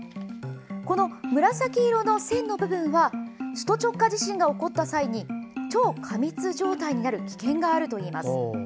この紫色の線の部分は首都直下地震が起こった際に超過密状態になる危険があるといいます。